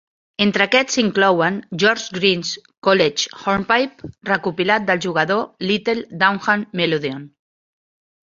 Entre aquests s'inclouen "George Green's College Hornpipe", recopilat del jugador Little Downham Melodeon.